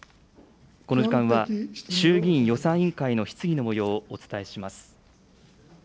この時間は衆議院予算委員会の質疑のもようをお伝えします。